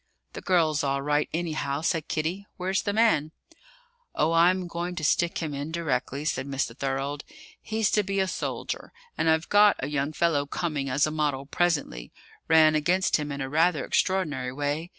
"The girl's all right, anyhow," said Kitty. "Where's the man?" "Oh, I'm going to stick him in directly," said Mr. Thorold. "He's to be a soldier, and I've got a young fellow coming as a model presently. Ran against him in a rather extraordinary way.